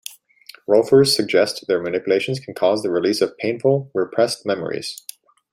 Rolfers suggest their manipulations can cause the release of painful repressed memories.